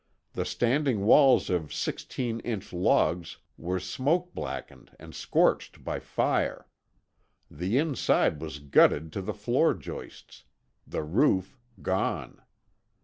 The standing walls of sixteen inch logs were smoke blackened and scorched by fire. The inside was gutted to the floor joists; the roof gone.